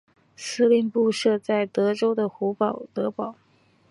司令部设在德州的胡德堡。